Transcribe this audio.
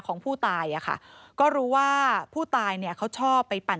ของผู้ตายอ่ะค่ะก็รู้ว่าผู้ตายเนี่ยเขาชอบไปปั่น